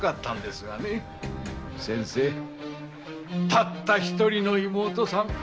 たった一人の妹さん。